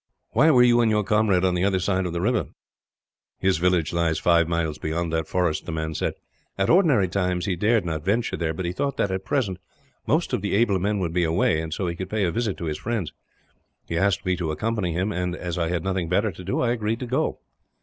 "Why were you and your comrade on the other side of the river? "His village lies five miles beyond that forest," the man said. "At ordinary times, he dared not venture there; but he thought that, at present, most of the able men would be away, and so he could pay a visit to his friends. He asked me to accompany him and, as I had nothing better to do, I agreed to go.